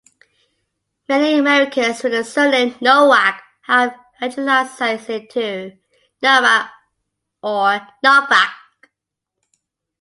Many Americans with the surname Nowak have Anglicized it to Novak or Novack.